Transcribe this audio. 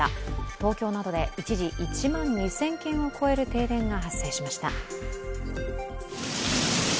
東京などで一時１万２０００軒を超える停電が発生しました。